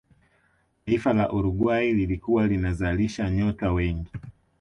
taifa la uruguay lilikuwa linazalisha nyota wengi